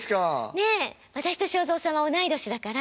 ねえ私と正蔵さんは同い年だから。